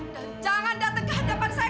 dan jangan datang ke hadapan saya